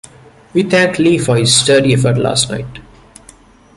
We thank Lee for his sturdy effort last night.